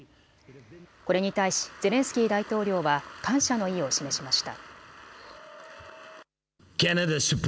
これに対しゼレンスキー大統領は感謝の意を示しました。